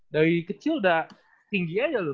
dari kecil udah tinggi aja loh